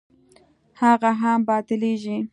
هغه هم باطلېږي.